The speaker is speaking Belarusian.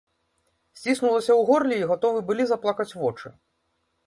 Сціснулася ў горле, і гатовы былі заплакаць вочы.